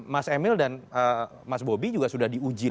mas emil dan mas bobby juga sudah diuji lah